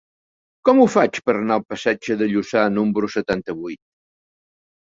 Com ho faig per anar al passatge de Lucà número setanta-vuit?